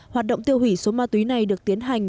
hoạt động tiêu hủy số ma túy này được tiến hành